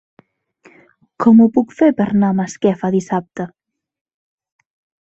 Com ho puc fer per anar a Masquefa dissabte?